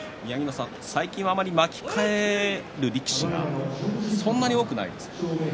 最近は、あまり巻き替える力士があまり多くないですね。